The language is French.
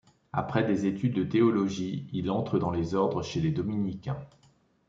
Après des études de théologie, il entre dans les ordres chez les dominicains.